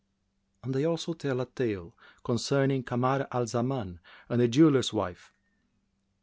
And they also tell a tale concerning KAMAR AL ZAMAN AND THE JEWELLER'S WIFE.